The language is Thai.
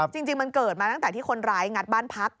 จริงมันเกิดมาตั้งแต่ที่คนร้ายงัดบ้านพัก